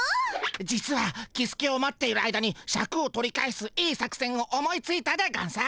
実はキスケを待っている間にシャクを取り返すいい作戦を思いついたでゴンス。